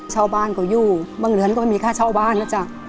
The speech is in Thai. เช่าบ้านก็อยู่บางเดือนก็ไม่มีค่าเช่าบ้านนะจ๊ะ